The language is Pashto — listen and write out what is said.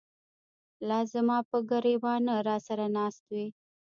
لاس زماپه ګر ېوانه راسره ناست وې